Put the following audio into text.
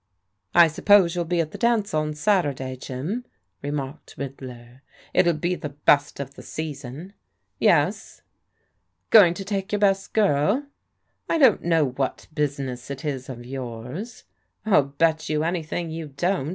" I suppose youll be at the dance on Saturday, Jim/' remarked Riddler. " It'll be the best of the season." "Yes." " Going to take your best girl ?"" I don't know what business it is of yours." " 111 bet you anything you don't."